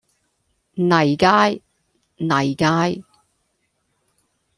坭街、泥街